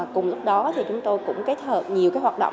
cùng lúc đó chúng tôi cũng kết hợp nhiều hoạt động chào mừng